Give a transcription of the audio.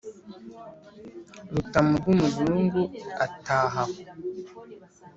Rutamu rw'umuzungu ataha aho.